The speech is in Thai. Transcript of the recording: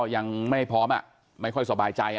ยังไม่พร้อมไม่ค่อยสบายใจ